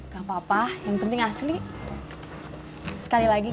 gak apa apa yang penting asli sekali lagi